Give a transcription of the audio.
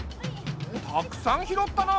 たくさん拾ったな。